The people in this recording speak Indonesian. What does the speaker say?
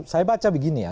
saya baca begini ya